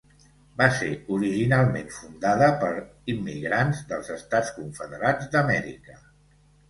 Va ser originalment fundada per immigrants dels Estats Confederats d'Amèrica.